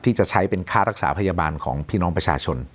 ที่จะใช้เป็นค่ารักษาพยาบาลของพี่น้องประชาชน